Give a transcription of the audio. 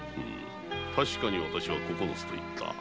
確かに私は「九つ」と言った。